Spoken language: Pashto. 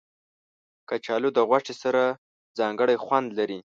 کچالو د غوښې سره ځانګړی خوند لري